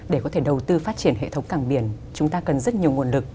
để có thể đầu tư phát triển hệ thống cảng biển chúng ta cần rất nhiều nguồn lực